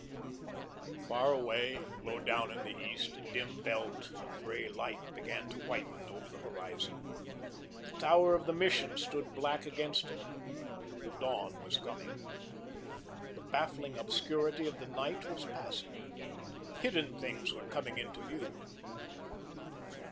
Far away, low down in the east, a dim belt, a grey light began to whiten over the horizon. The tower of the Mission stood black against it. The dawn was coming. The baffling obscurity of the night was passing. Hidden things were coming into view.